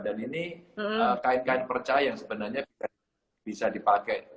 dan ini kain kain perca yang sebenarnya bisa dipakai